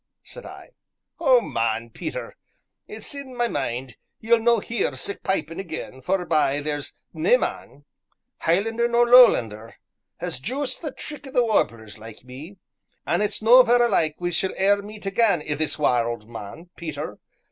said I. "Oh, man, Peter! it's in my mind ye'll no hear sic pipin' again, forbye there's nae man Hielander nor Lowlander has juist the trick o' the 'warblers' like me, an' it's no vera like we shall e'er meet again i' this warld, man, Peter.